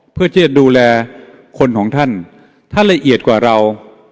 เพื่อที่จะดูแลคนของท่านท่านละเอียดกว่าเรา